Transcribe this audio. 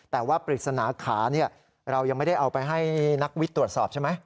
แต่ว่าปริศนาขาเรายังไม่ได้เอาไปให้นักวิทย์ตรวจสอบใช่ไหม